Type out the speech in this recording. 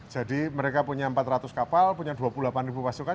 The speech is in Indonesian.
jadi mereka punya empat ratus kapal punya dua puluh delapan pasukan